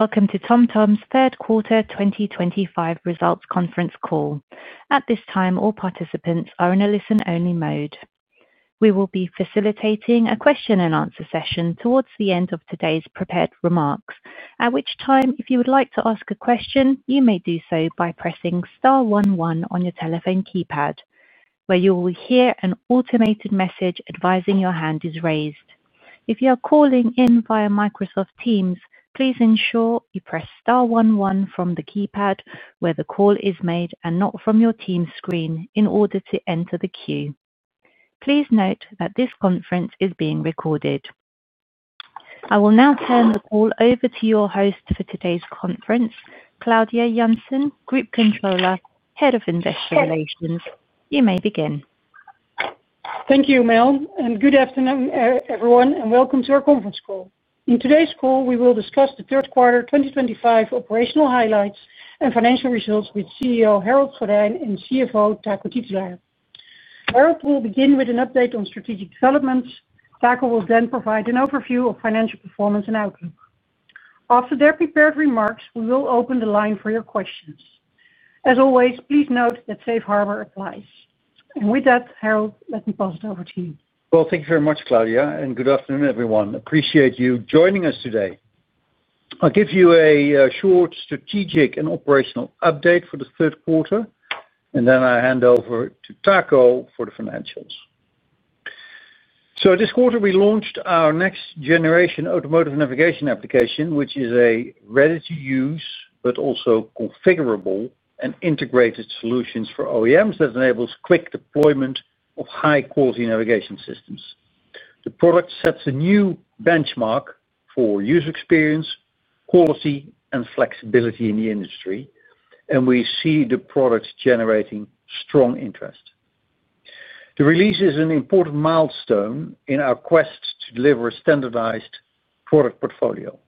Welcome to TomTom's third quarter 2025 results conference call. At this time, all participants are in a listen-only mode. We will be facilitating a question and answer session towards the end of today's prepared remarks. At that time, if you would like to ask a question, you may do so by pressing 11 on your telephone keypad, where you will hear an automated message advising your hand is raised. If you are calling in via Microsoft Teams, please ensure you press 11 from the keypad where the call is made and not from your Teams screen in order to enter the queue. Please note that this conference is being recorded. I will now turn the call over to your host for today's conference, Claudia Janssen, Group Controller, Head of Investor Relations. You may begin. Thank you, Mel, and good afternoon, everyone, and welcome to our conference call. In today's call, we will discuss the third quarter 2025 operational highlights and financial results with CEO Harold Goddijn and CFO Taco Titulaer. Harold will begin with an update on strategic developments. Taco will then provide an overview of financial performance and outlook. After their prepared remarks, we will open the line for your questions. As always, please note that safe harbor applies, and with that, Harold, let me pass it over to you. Thank you very much, Claudia, and good afternoon, everyone. Appreciate you joining us today. I'll give you a short strategic and operational update for the third quarter, and then I hand over to Taco for the financials. This quarter we launched our next-generation automotive navigation application, which is a ready-to-use but also configurable and integrated solution for OEMs that enables quick deployment of high-quality navigation systems. The product sets a new benchmark for user experience, quality, and flexibility in the industry, and we see the product generating strong interest. The release is an important milestone in our quest to deliver a standardized product portfolio.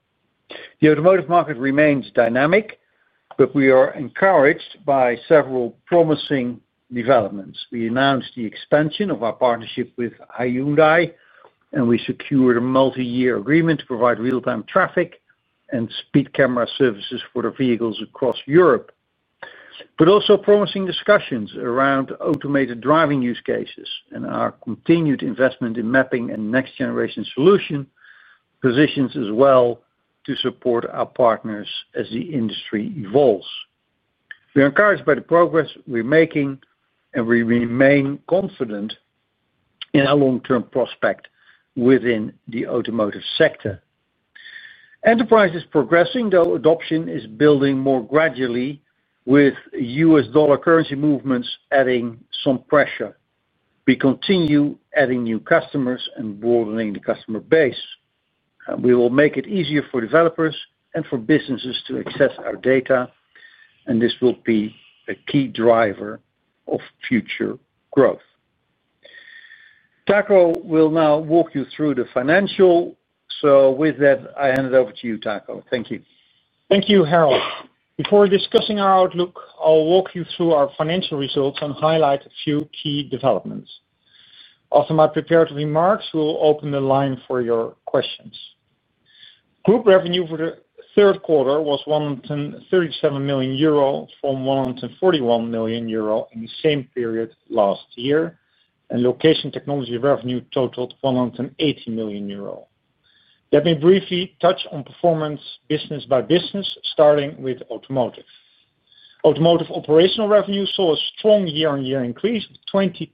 The automotive market remains dynamic, and we are encouraged by several promising developments. We announced the expansion of our partnership with Hyundai, and we secured a multi-year agreement to provide real-time traffic and speed camera services for vehicles across Europe. There are also promising discussions around automated driving use cases, and our continued investment in mapping and next-generation solutions positions us well to support our partners as the industry evolves. We are encouraged by the progress we're making, and we remain confident in our long-term prospect within the automotive sector. Enterprise is progressing, though adoption is building more gradually, with U.S. dollar currency movements adding some pressure. We continue adding new customers and broadening the customer base. We will make it easier for developers and for businesses to access our data, and this will be a key driver of future growth. Taco will now walk you through the financials, so with that, I hand it over to you, Taco. Thank you. Thank you, Harold. Before discussing our outlook, I'll walk you through our financial results and highlight a few key developments. After my prepared remarks, we will open the line for your questions. Group revenue for the third quarter was €137 million from €141 million in the same period last year and location technology revenue totaled €180 million. Let me briefly touch on performance business by business, starting with automotive. Automotive operational revenue saw a strong year on year increase of 22%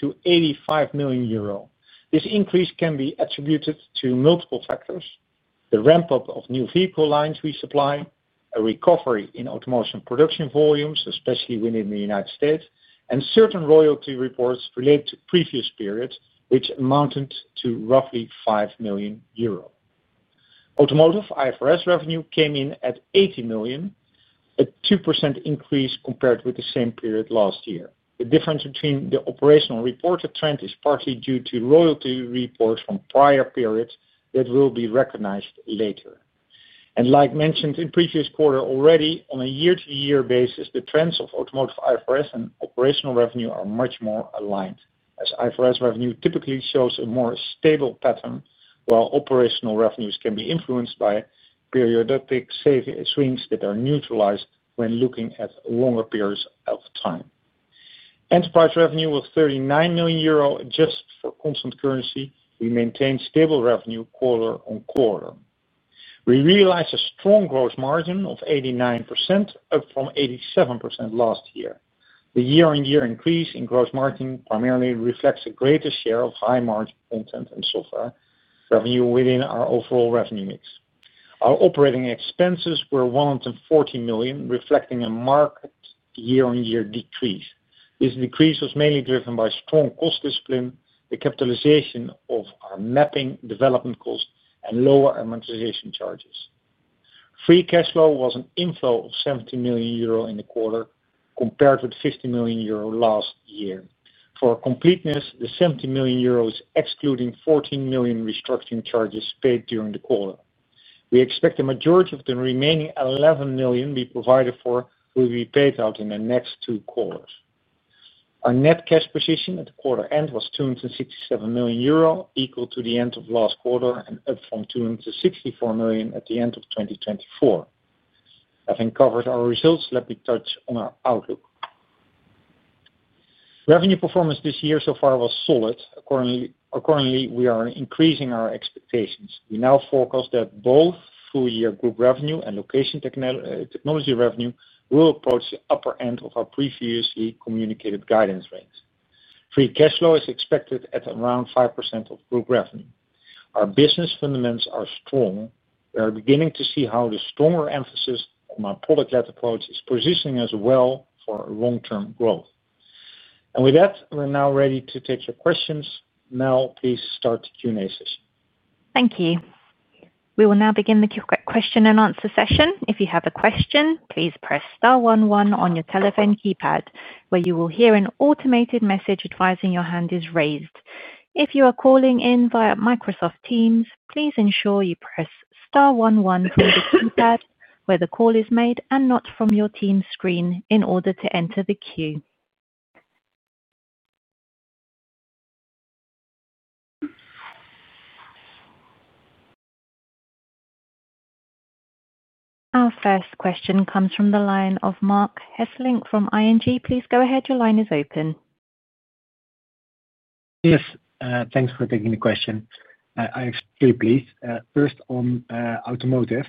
to €85 million. This increase can be attributed to the ramp up of new vehicle lines we supply, a recovery in automotive production volumes, especially within the U.S., and certain royalty reports related to previous periods which amounted to roughly €5 million. Automotive IFRS revenue came in at €80 million, a 2% increase compared with the same period last year. The difference between the operational reported trend is partly due to royalty reports from prior periods that will be recognized later. Like mentioned in previous quarter already, on a year to year basis, the trends of automotive IFRS and operational revenue are much more aligned. IFRS revenue typically shows a more stable pattern, while operational revenues can be influenced by periodic swings that are neutralized when looking at longer periods of time. Enterprise revenue was €39 million. Adjusted for constant currency, we maintained stable revenue quarter on quarter. We realized a strong gross margin of 89%, up from 87% last year. The year on year increase in gross margin primarily reflects a greater share of high margin content and software revenue within our overall revenue mix. Our operating expenses were €140 million, reflecting a marked year on year decrease. This decrease was mainly driven by strong cost discipline, the capitalization of our mapping development cost, and lower amortization charges. Free cash flow was an inflow of €70 million in the quarter compared with €50 million last year. For completeness, the €70 million is excluding €14 million restructuring charges paid during the quarter. We expect the majority of the remaining €11 million we provided for will be paid out in the next two quarters. Our net cash position at the quarter end was €267 million, equal to the end of last quarter and up from €264 million at the end of 2024. Having covered our results, let me touch on our outlook. Revenue performance this year so far was solid. Accordingly, we are increasing our expectations. We now forecast that both full year group revenue and location technology revenue will approach the upper end of our previously communicated guidance range. Free cash flow is expected at around 5% of group revenue. Our business fundamentals are strong. We are beginning to see how the stronger emphasis on our product led approach is positioning us well for long term growth. With that, we're now ready to take your questions. Mel, please start the Q and A session. Thank you. We will now begin the question and answer session. If you have a question, please press star 11 on your telephone keypad, where you will hear an automated message advising your hand is raised. If you are calling in via Microsoft Teams, please ensure you press star 11 through the keypad where the call is made and not from your Teams screen in order to enter the queue. Our first question comes from the line of Marc Hesselink from ING. Please go ahead. Your line is open. Yes, thanks for taking the question. I have three, please. First, on automotive.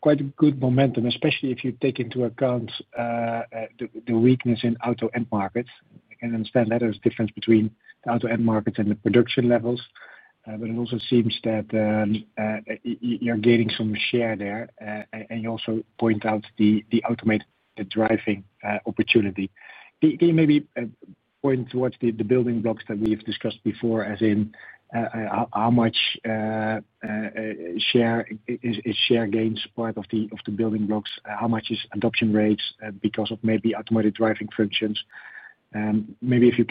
Quite good momentum, especially. If you take into account the weakness in auto end markets, I can understand that there's a difference between auto end markets and the production levels, but it also seems that you're gaining some share there. You also point out the automated driving opportunity. Can you maybe point towards the building? Blocks that we have discussed before, as in how much share gains part of the building blocks. How much is adoption rates because of maybe automated driving functions? Maybe if you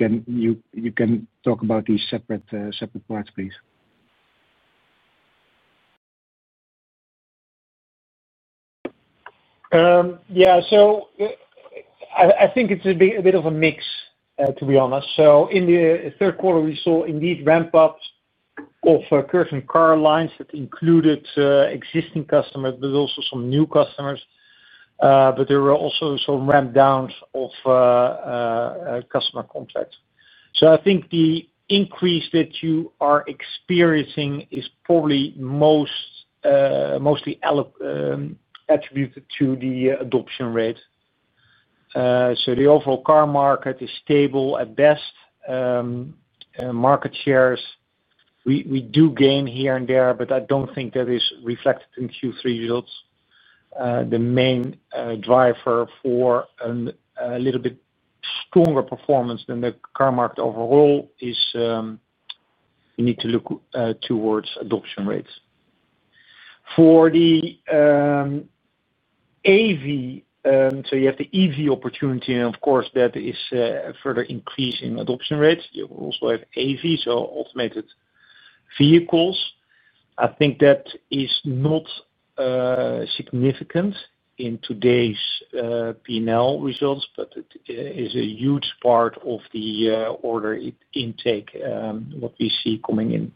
can talk about these separate parts, please. Yeah, I think it's a bit of a mix to be honest. In the third quarter, we saw ramp ups of certain car lines that included existing customers, but also some new customers. There were also some ramp downs of customer contracts. I think the increase that you are experiencing is probably mostly attributed to the adoption rate. The overall car market is stable at best. Market shares we do gain here and there, but I don't think that is reflected in Q3 results. The main driver for a little bit stronger performance than the car market overall is you need to look towards adoption rates for the. Av. You have the EV opportunity, and of course that is a further increase in adoption rates. You also have automated vehicles. I think that is not significant in. Today's P&L results, but it. Is a huge part of the order intake, what we see coming in.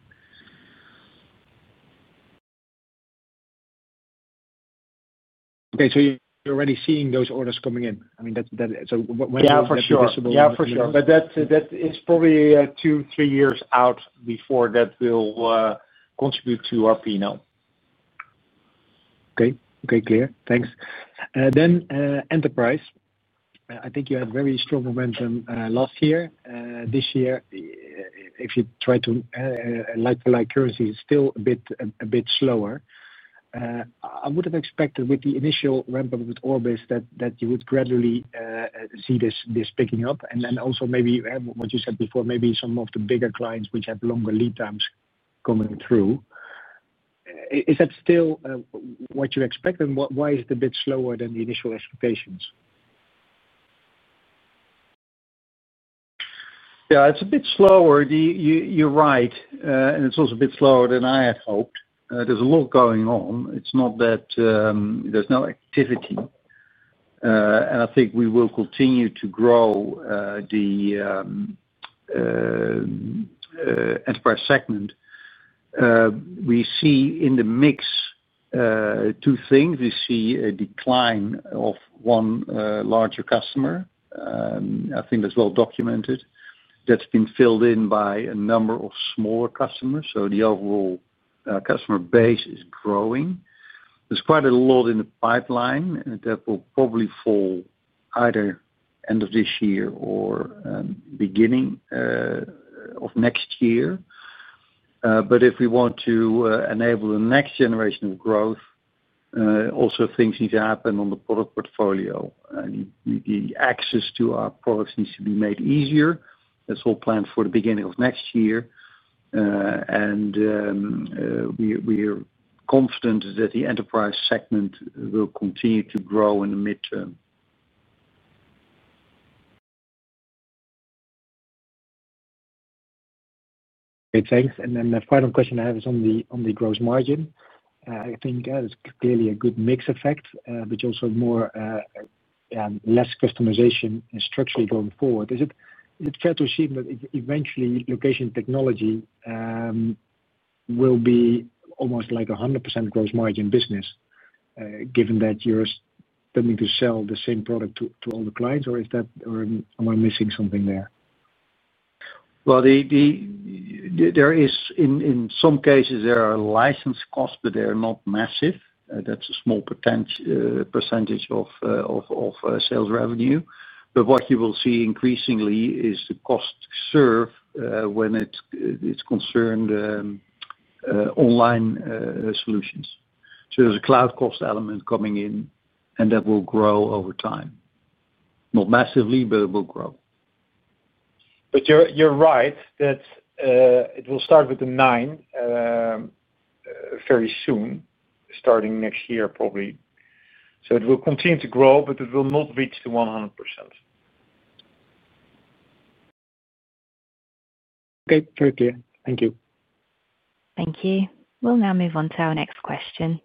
Okay, so you're already seeing those orders coming in. I mean that's possible. Yeah, for sure. That is probably two, three years out. That will contribute to RP now. Okay. Okay, clear. Thanks. Then Enterprise, I think you had very strong momentum last year. This year, if you try to, like for like, currency is still a bit, a bit slower. I would have expected with the initial ramp up with Orbis Maps that you would gradually see this picking up. Also, maybe what you said before, maybe some of the bigger clients which have longer lead times coming through, is that still what you expect? Why is it a bit slower than the initial expectations? Yeah, it's a bit slower, you're right. It's also a bit slower than I had hoped. There's a lot going on. It's not that there's no activity. I think we will continue to grow the enterprise segment. We see in the mix two things. We see a decline of one larger customer. I think that's well documented. That's been filled in by a number of smaller customers, so the overall customer base is growing. There's quite a lot in the pipeline and that will probably fall either end of this year or beginning of next year. If we want to enable the next generation of growth, also things need to happen on the product portfolio. The access to our products needs to be made easier. That's all planned for the beginning of next year and we are confident that the enterprise segment will continue to grow in the mid term. Thanks. The final question I have is on the gross margin. I think it's clearly a good mix effect, but also more, less customization structurally going forward. Is it fair to assume that eventually location technology. Will be almost. Like 100% gross margin business given that you're going to sell the same product to all the clients? Or is that, or am I missing something there? In some cases there are license costs, but they are not massive. That's a small % of sales revenue. What you will see increasingly is the cost served when it's concerned online solutions. There's a cloud cost element coming in and that will grow over time, not massively, but it will grow. You're right that it will start. With the nine very soon, starting next year probably, it will continue to grow, but it will not reach the 100%. Okay, very clear. Thank you. Thank you. We'll now move on to our next question.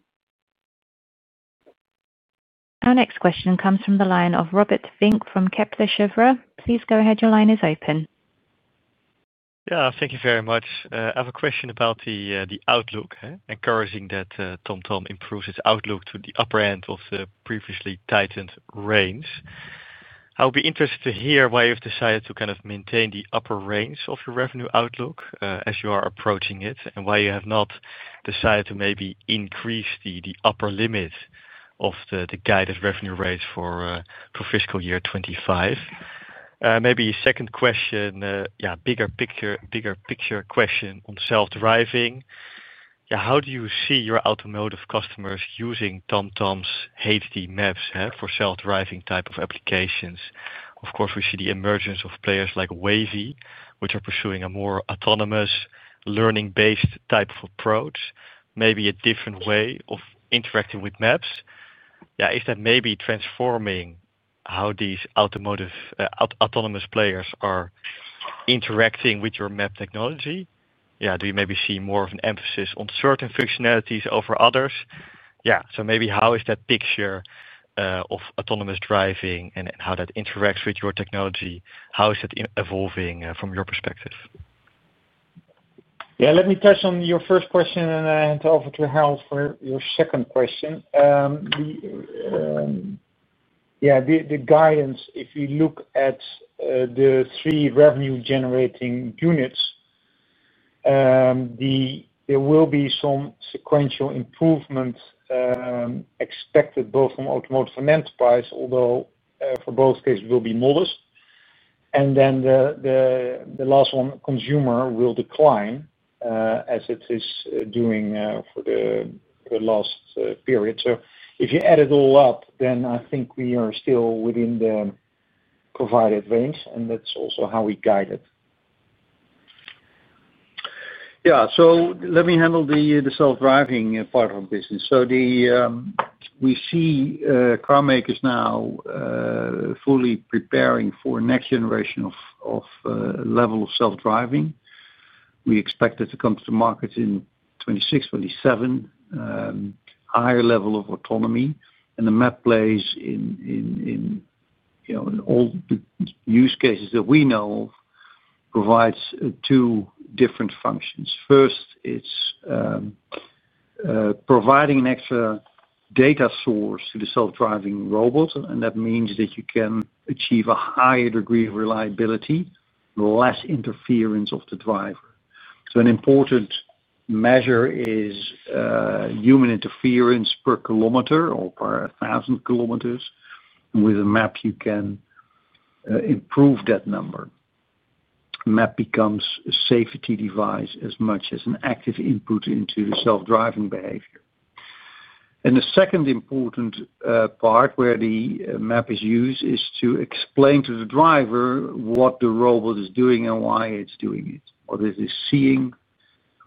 Our next question comes from the line of Robert Fink from Kepler Cheuvreux. Please go ahead. Your line is open. Thank you very much. I have a question about the outlook. Encouraging that TomTom improves its outlook to the upper end of the previously tightened range. I'll be interested to hear why you've decided to kind of maintain the upper range of your revenue outlook as you are approaching it, and why you have not decided to maybe increase the upper limit of the guided revenue rate for fiscal year 2025 maybe. Second question. Bigger picture question on self driving. How do you see your Automotive customers using TomTom's HD maps for self driving type of applications? Of course we see the emergence of players like Waze which are pursuing more autonomous learning based type of approach. Maybe a different way of interacting with maps. Is that maybe transforming how these automotive autonomous players are interacting with your map technology? Yeah. Do you maybe see more of an emphasis on certain functionalities over others? How is that picture of automated driving and how that interacts with your technology? How is it evolving from your perspective? Yeah, let me touch on your first question and then offer to Harold for your second question. Yeah, the guidance. If we look at the three revenue generating units, there will be some sequential improvements expected both from automotive and enterprise, although for both cases will be modest. The last one, consumer, will decline as it is doing for the last period. If you add it all up. I think we are still within the provided range and that's also how we guide it. Let me handle the self driving part of business. We see carmakers now fully preparing for next generation of level of self driving. We expect it to come to market in 2026, 2027, higher level of autonomy. The map plays in all the use cases that we know, provides two different functions. First, it's providing an extra data source to the self driving robot. That means that you can achieve a higher degree of reliability, less interference of the driver. An important measure is human interference per km or per 1,000 km. With a map you can improve that number. Map becomes a safety device as much as an active input into the self driving behavior. The second important part where the map is used is to explain to the driver what the robot is doing and why it's doing it, what it is seeing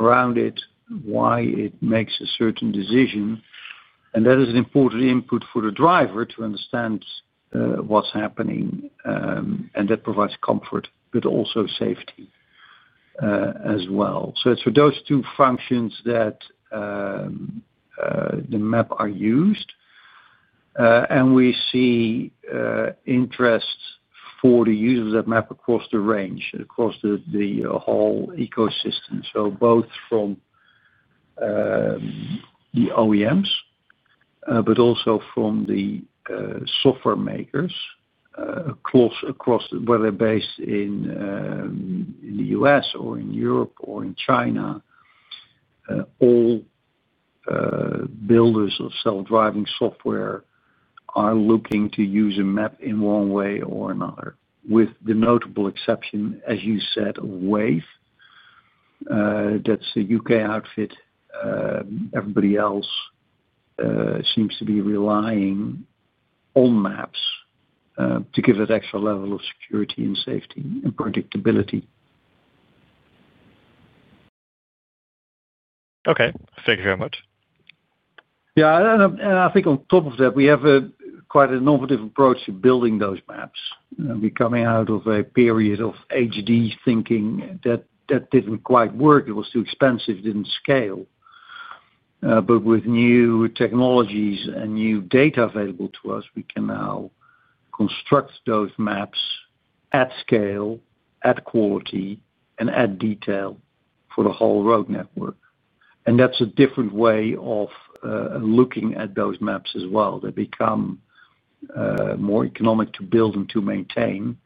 around it, why it makes a certain decision. That is an important input for the driver to understand what's happening. That provides comfort but also safety as well. It's for those two functions that the map are used and we see interest for the users that map across the range, across the whole ecosystem. Both from the OEMs but also from the software makers, whether based in the U.S. or in Europe or in China, all builders of self driving software are looking to use a map in one way or another. With the notable exception, as you said, Waze, that's the U.K. outfit. Everybody else seems to be relying on maps to give that extra level of security and safety. And predictability. Okay, thank you very much. I think on top of that, we have quite an innovative approach to building those maps. We're coming out of a period of HD thinking that didn't quite work. It was too expensive, didn't scale. With new technologies and new data available to us, we can now construct those maps at scale, at quality, and add detail for the whole road network. That's a different way of looking at those maps as well. They become more economic to build and to maintain,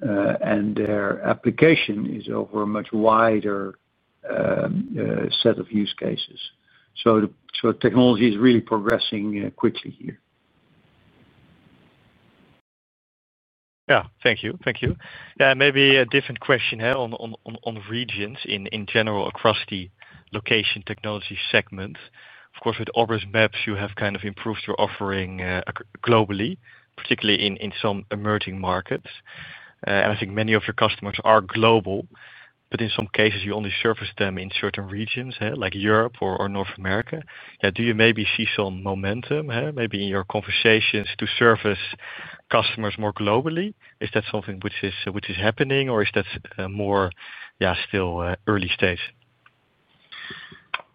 and their application is over a much wider set of use cases. Technology is really progressing quickly here. Thank you. Thank you. Maybe a different question on regions in general across the location technology segments. Of course, with Orbis Maps, you have kind of improved your offering globally, particularly in some emerging markets. I think many of your customers are global, but in some cases you only service them in certain regions like Europe or North America. Do you see some momentum in your conversations to service customers more globally? Is that something which is happening or is that still early stage?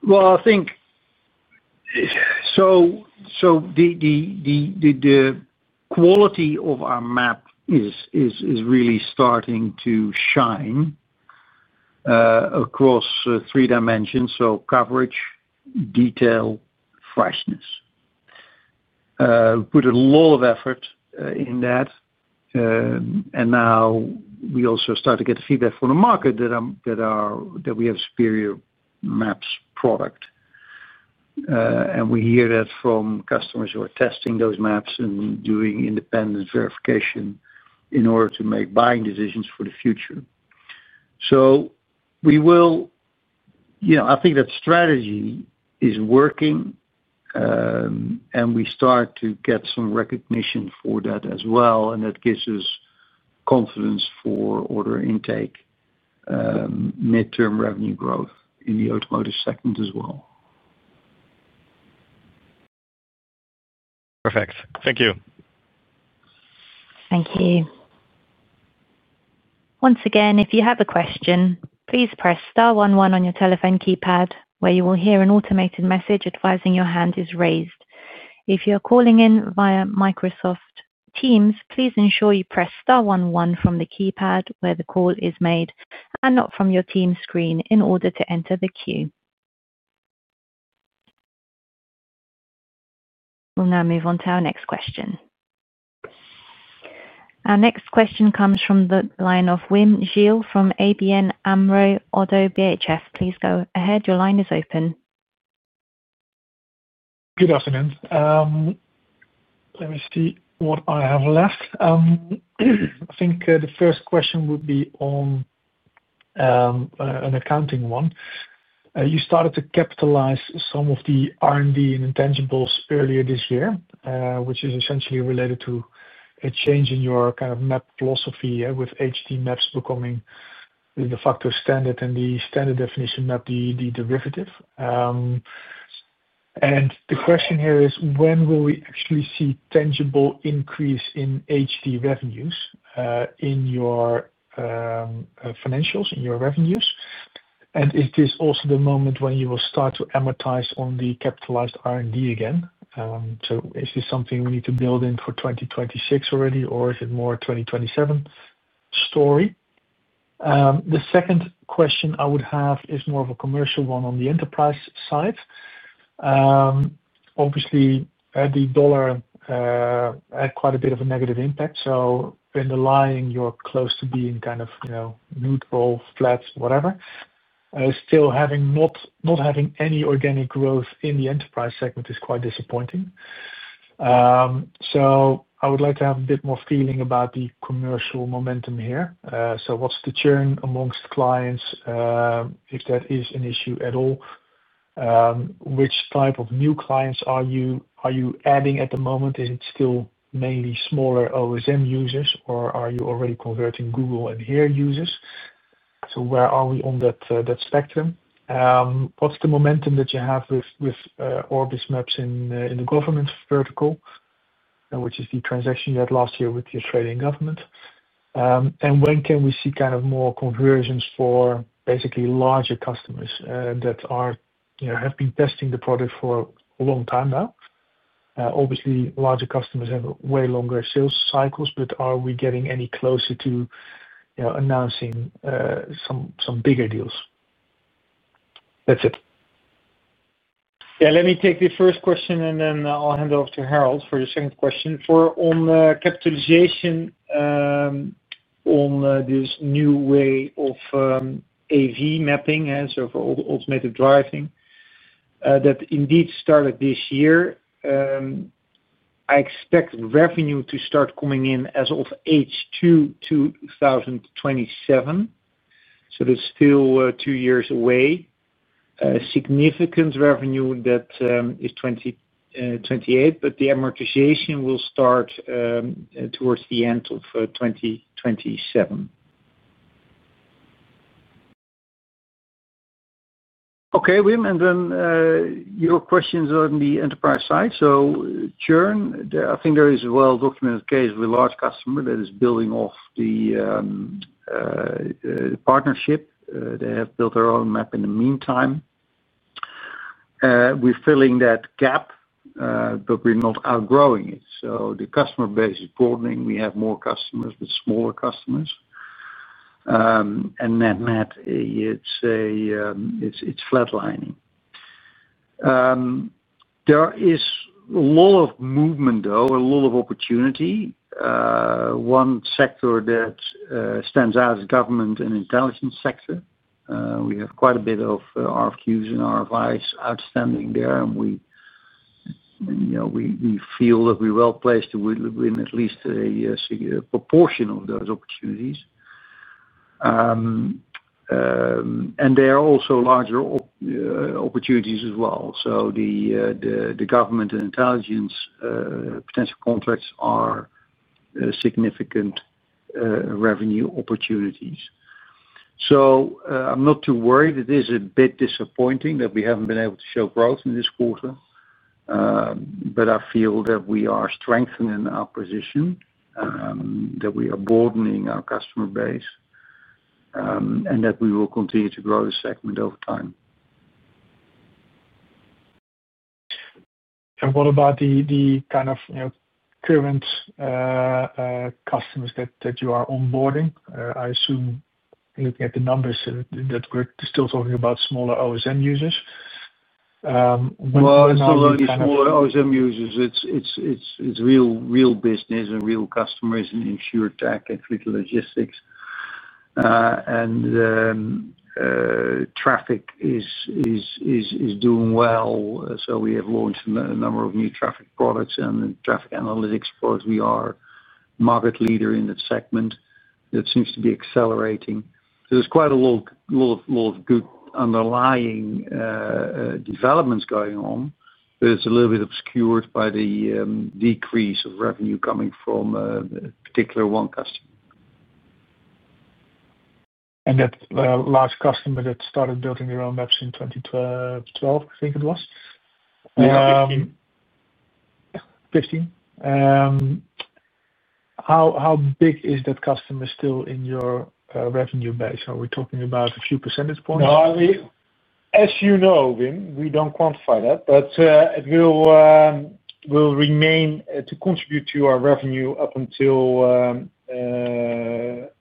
I think the quality of our map is really starting to shine across three dimensions: coverage, detail, and freshness. We put a lot of effort into that, and now we also start to get feedback from the market that we have a superior maps product. We hear that from customers who are testing those maps and doing independent verification in order to make buying decisions for the future. I think that strategy is working, and we start to get some recognition for that as well. That gives us confidence for order intake and mid-term revenue growth in the automotive segment as well. Perfect. Thank you.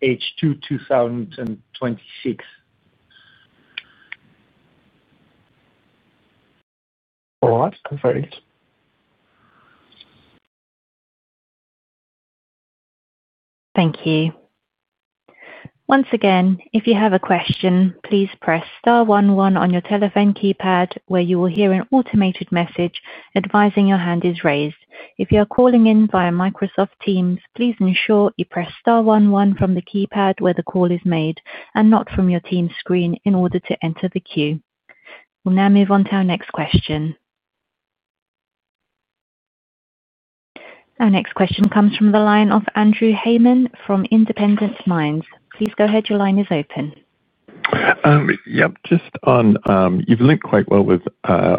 Thank you. Please go ahead. Your line is open. You've linked quite well with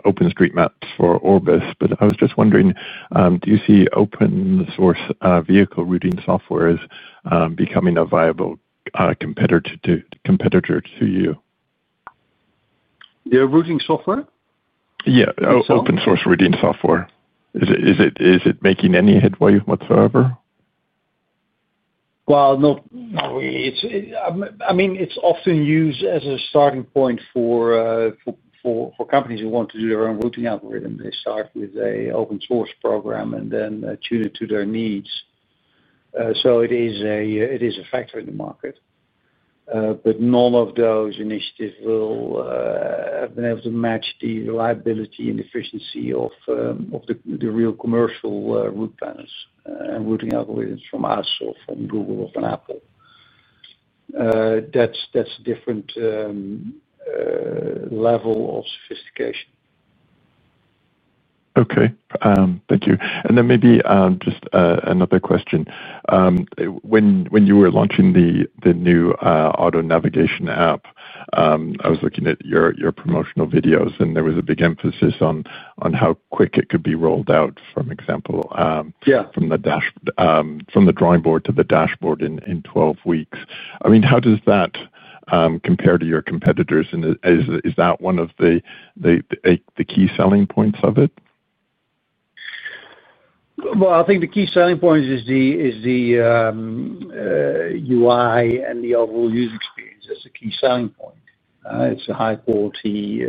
open-source maps for Orbis, but I was just wondering, do you see open-source vehicle routing software as becoming a viable competitor to you? Your routing software? Yeah, open-source routing software. Is it making any headway whatsoever? I mean, it's often used as a starting point for companies who want to do their own routing algorithm. They start with an open-source program and then tune it to their needs. It is a factor in the market. None of those initiatives will have been able to match the reliability and efficiency of the real commercial route planners and routing algorithms from us or from Google or from Apple. That's a different level of sophistication. Thank you. Maybe just another question. When you were launching the new auto navigation app, I was looking at your promotional videos, and there was a big emphasis on how quick it could be rolled out. For example, from the drawing board to the dashboard in 12 weeks. How does that compare to your competitors? Is that one of the key selling points of it? I think the key selling point is the UI and the overall user experience. That's the key selling point. It's a high quality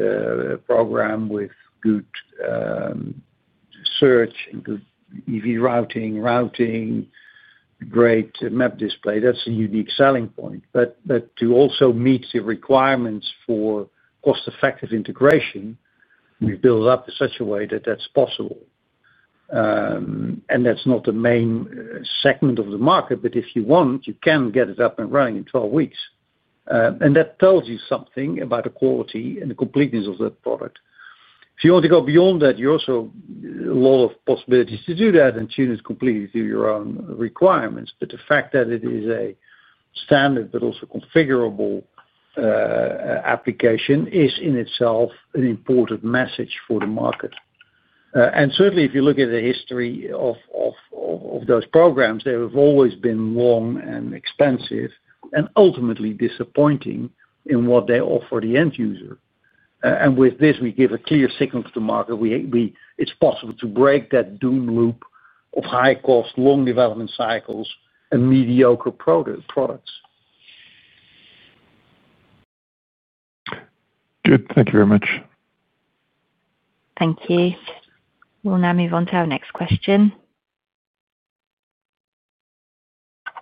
program with good search and good EV routing, great map display. That's a unique selling point. To also meet the requirements for cost effective integration, we build up in such a way that that's possible and that's not the main segment of the market. If you want, you can get it up and running in 12 weeks, and that tells you something about the quality and the completeness of that product. If you want to go beyond that, you also have a lot of possibilities to do that and tune it completely to your own requirements. The fact that it is a standard but also configurable application is in itself an important message for the market. Certainly, if you look at the history of those programs, they have always been long and expensive and ultimately disappointing in what they offer the end user. With this, we give a clear signal to the market it's possible to break that doom loop of high cost, long development cycles, mediocre products. Good. Thank you very much. Thank you. We'll now move on to our next question.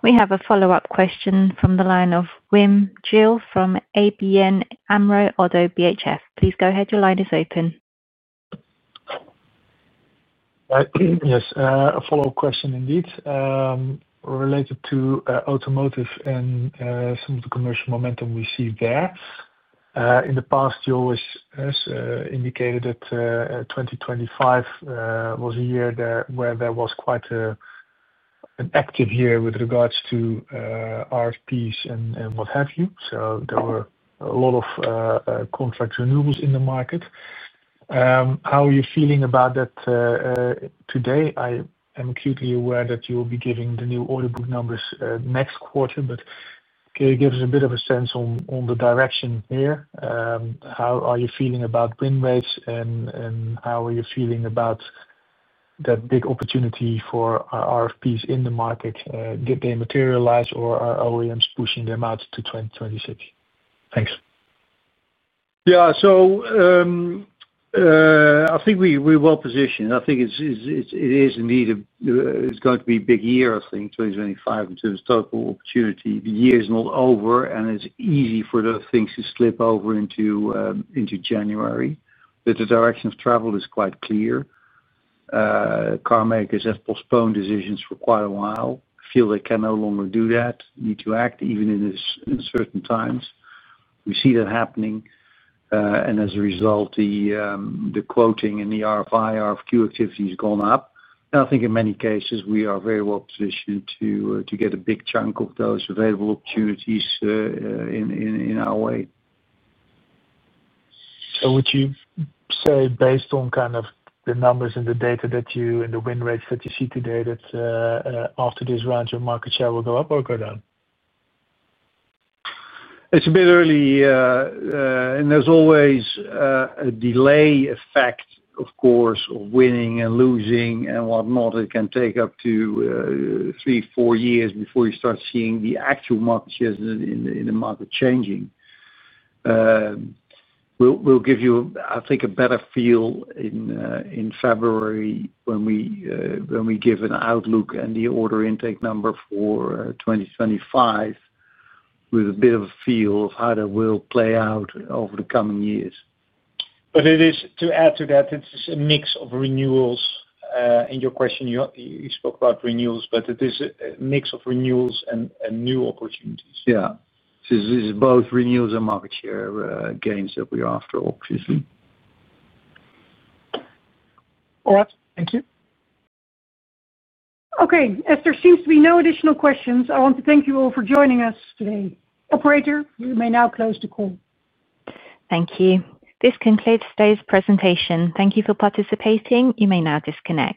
We have a follow-up question from the line of Wim Jill from ABN AMRO ODDO BHF. Please go ahead. Your line is open. Yes, a follow-up question indeed related to automotive and some of the commercial momentum we see there. In the past, you always indicated that 2025 was quite an active year with regards to RFPs and what have you. There were a lot of contract renewals in the market. How are you feeling about that today? I am acutely aware that you will. Be giving the new order book numbers next quarter, but can you give us a bit of a sense on the direction here? How are you feeling about win rates, and how are you feeling about that big opportunity for RFPs in the market? Did they materialize, or are OEMs pushing them out to 2026? Thanks. I think we're well positioned. I think it is indeed going to be a big year. I think 2025, in terms of total opportunity, the year is not over and it's easy for those things to slip over into January. The direction of travel is quite clear. Carmakers have postponed decisions for quite a while, feel they can no longer do that, need to act. Even in certain times we see that happening and as a result the quoting and the RFI, RFQ activity has gone up. I think in many cases we are very well positioned to get a big chunk of those available opportunities in our way. Would you say, based on the numbers and the data that you and the win rates that you see today, that after this round your market share will go up or go down? It's a bit early and there's always a delay effect, of course, of winning and losing and whatnot. It can take up to three, four years before you start seeing the actual market shares in the market changing. We'll give you, I think, a better feel in February when we give an outlook and the order intake number for 2025 with a bit of a feel of how that will play out over the coming years. It is to add to that, it's a mix of renewals. In your question, you spoke about renewals, but it is a mix of renewals and new opportunities. Yeah, this is both renewals and market share gains that we are after, obviously. All right. Thank you. Okay. As there seems to be no additional questions, I want to thank you all for joining us today. Operator, you may now close the call. Thank you. This concludes today's presentation. Thank you for participating. You may now disconnect.